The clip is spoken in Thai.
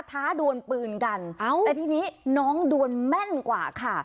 ท้าดวนปืนกันแต่ทีนี้น้องดวนแม่นกว่าค่ะ